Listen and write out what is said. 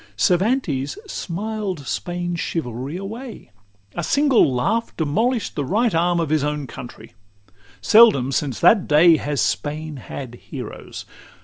XI Cervantes smiled Spain's chivalry away; A single laugh demolish'd the right arm Of his own country; seldom since that day Has Spain had heroes.